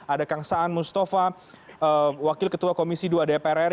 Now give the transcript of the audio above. ada kang saan mustafa wakil ketua komisi dua dprr